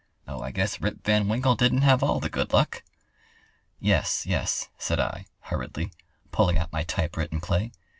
Oh, I guess Rip Van Winkle didn't have all the good luck!" "Yes, yes," said I, hurriedly, pulling out my typewritten play.